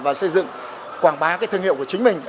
và xây dựng quảng bá cái thương hiệu của chính mình